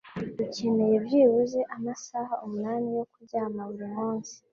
Dukeneye byibuze amasaha umunani yo kuryama buri munsi.